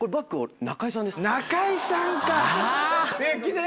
中居さんか！